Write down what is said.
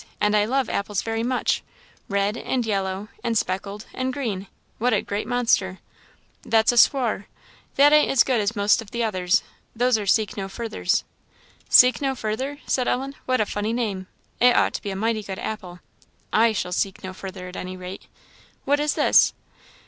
and I love apples very much red, and yellow, and speckled, and green what a great monster!" "That's a Swar; that ain't as good as most of the others; those are Seek no furthers." "Seek no further!" said Ellen; "what a funny name. It ought to be a mighty good apple. I shall seek no further, at any rate. What is this?"